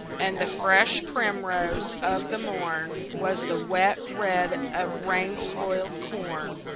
And the fresh primrose of the morn Was the wet red of rain spoiled corn.